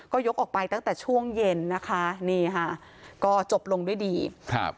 ก็ยกออกไปตั้งแต่ช่วงเย็นนะคะนี่ค่ะก็จบลงด้วยดีครับ